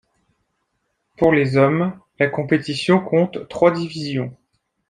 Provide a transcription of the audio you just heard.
Pour les hommes, la compétition compte trois divisions.